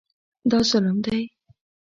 دا ظلم دی.